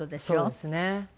そうですね。